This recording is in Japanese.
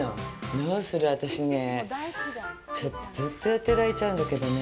どうする、私ね、ちょっとずっとやってられちゃうんだけどね。